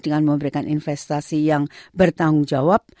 dengan memberikan investasi yang bertanggung jawab